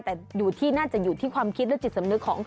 แต่อยู่ที่น่าจะอยู่ที่ความคิดและจิตสำนึกของ